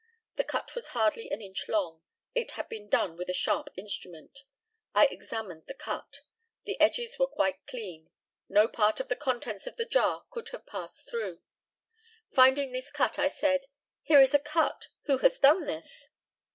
The cut was hardly an inch long. It had been done with a sharp instrument. I examined the cut. The edges were quite clean. No part of the contents of the jar could have passed through it. Finding this cut, I said, "Here is a cut; who has done this?"